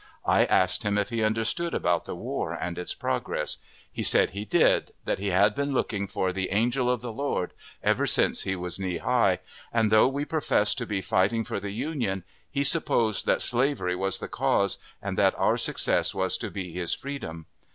I asked him if he understood about the war and its progress. He said he did; that he had been looking for the "angel of the Lord" ever since he was knee high, and, though we professed to be fighting for the Union, he supposed that slavery was the cause, and that our success was to be his freedom.